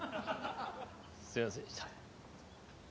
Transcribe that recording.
すいませんでした。